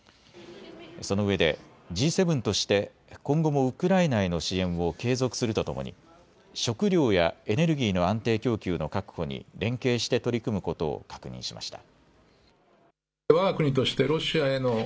そのうえでＧ７として今後もウクライナへの支援を継続するとともに食料やエネルギーの安定供給の確保に連携して取り組むことを確認しました。